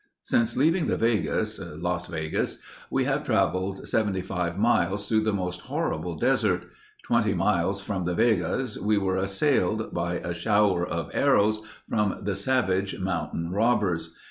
Since leaving the Vegas (Las Vegas) we have traveled 75 miles through the most horrible desert.... Twenty miles from the Vegas we were assailed ... by a shower of arrows from the savage mountain robbers....